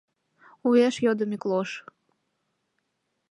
— уэш йодо Миклош.